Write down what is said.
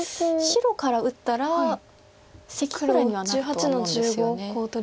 白から打ったらセキくらいにはなるとは思うんですよね。